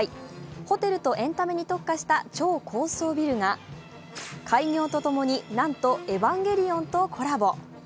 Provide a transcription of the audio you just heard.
ホテルとエンタメに特化した超高層ビルが開業とともに、なんと「エヴァンゲリオン」とコラボ。